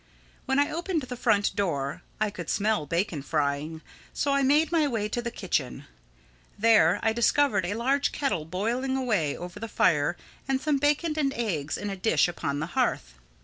When I opened the front door I could smell bacon frying, so I made my way to the kitchen. There I discovered a large kettle boiling away over the fire and some bacon and eggs in a dish upon the hearth.